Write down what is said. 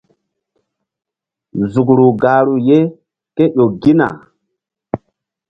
Zukru gahru ye ke ƴo gina.